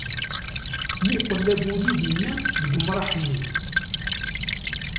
Mmuqqel abudid-inna deg umṛaḥ-nni.